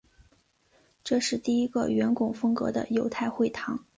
这是第一个圆拱风格的犹太会堂。